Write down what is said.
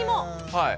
はい。